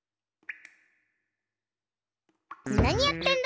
なにやってんだ！